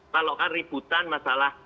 kalau kan ributan masalah